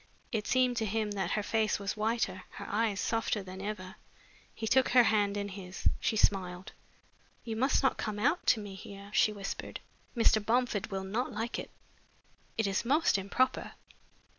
It seemed to him that her face was whiter, her eyes softer than ever. He took her hand in his. She smiled. "You must not come out to me here," she whispered. "Mr. Bomford will not like it. It is most improper."